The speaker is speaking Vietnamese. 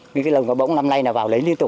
vì cái lòng cá bỗng năm nay là vào lấy liên tục